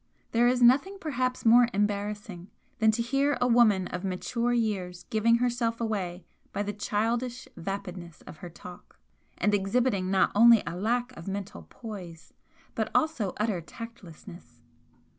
There is nothing perhaps more embarrassing than to hear a woman of mature years giving herself away by the childish vapidness of her talk, and exhibiting not only a lack of mental poise, but also utter tactlessness.